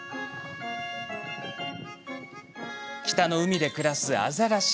北の海で暮らすアザラシ。